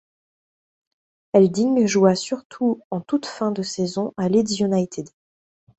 Elding joua surtout en toute fin de saison à Leeds United.